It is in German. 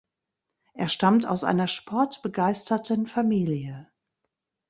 Er stammt aus einer sportbegeisterten Familie.